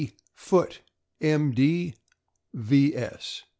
FOOTE, M. D., V. S.